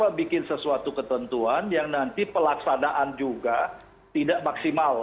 kita bikin sesuatu ketentuan yang nanti pelaksanaan juga tidak maksimal